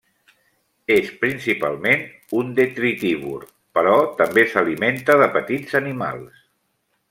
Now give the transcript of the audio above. És principalment un detritívor, però també s'alimenta de petits animals.